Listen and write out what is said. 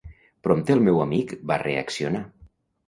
Prompte el meu amic va reaccionar.